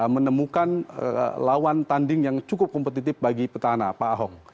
menemukan lawan tanding yang cukup kompetitif bagi petahana pak ahok